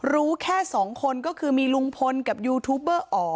รู้แค่๒คนก็คือมีลุงพลกับยูทูบเบอร์อ๋อ